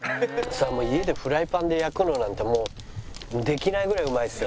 家でフライパンで焼くのなんてもうできないぐらいうまいですよ。